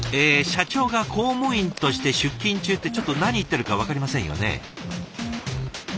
社長が公務員として出勤中ってちょっと何言ってるか分かりませんよね。